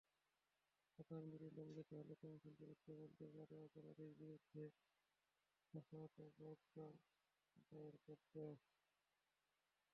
আচরণবিধি লঙ্ঘিত হলে কমিশন পুলিশকে বলতে পারে অপরাধীর বিরুদ্ধে এফআইআর দায়ের করতে।